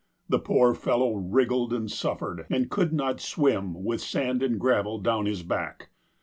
The poor fellow wriggled and suffered, and could not swim with sand and gravel down his back.